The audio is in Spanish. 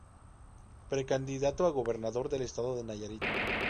Precandidato a gobernador del Estado de Nayarit.